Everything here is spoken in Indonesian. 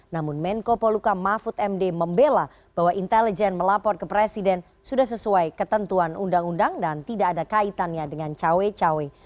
namun menko poluka mahfud md membela bahwa intelijen melapor ke presiden sudah sesuai ketentuan undang undang dan tidak ada kaitannya dengan cawe cawe